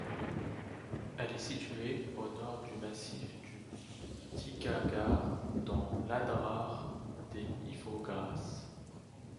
Elle est située au nord du massif du Tighaghar, dans l'Adrar des Ifoghas.